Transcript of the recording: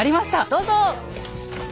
どうぞ！